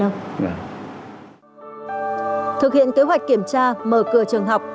thực hiện kế hoạch kiểm tra mở cửa trường học